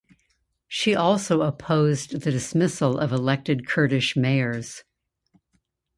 She also opposed the dismissal of elected Kurdish Mayors.